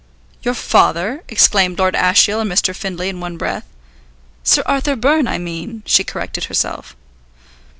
"Your father?" exclaimed Lord Ashiel and Mr. Findlay in one breath. "Sir Arthur Byrne, I mean," she corrected herself.